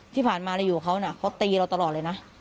ที่ผ่านมาเราอยู่กับเขานะเขาตีเราตลอดเลยนะ